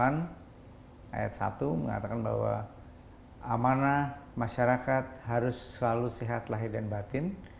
amanah undang undang pasal dua puluh delapan ayat satu mengatakan bahwa amanah masyarakat harus selalu sehat lahir dan batin